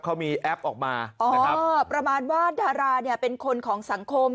เขามีแอปออกมาอ๋อนะครับเออประมาณว่าดาราเนี่ยเป็นคนของสังคม